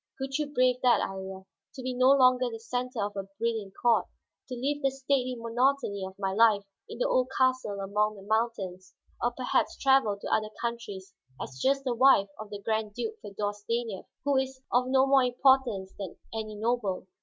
Could you brave that, Iría, to be no longer the center of a brilliant court? To live the stately monotony of my life in the old castle among the mountains, or perhaps travel to other countries as just the wife of the Grand Duke Feodor Stanief, who is of no more importance than any noble?